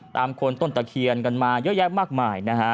คนต้นตะเคียนกันมาเยอะแยะมากมายนะฮะ